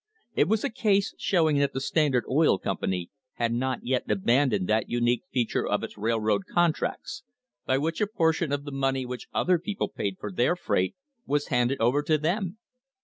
It was a case showing that the Standard Oil Company had not yet abandoned that unique feature of its railroad contracts by which a portion of the money which other people paid for their freight was handed over to them!